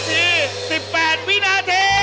หยุดนาที๑๘วินาที